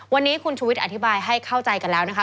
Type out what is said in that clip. วันนี้คุณชุวิตอธิบายให้เข้าใจกันแล้วนะคะ